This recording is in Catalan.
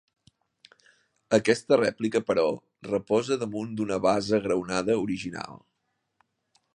Aquesta rèplica, però, reposa damunt una basa graonada, original.